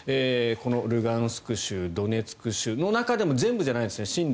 このルガンスク州ドネツク州の中でも全部ではないです。